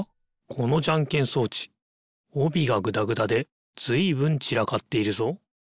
このじゃんけん装置おびがぐだぐだでずいぶんちらかっているぞ。